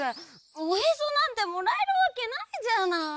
おへそなんてもらえるわけないじゃない！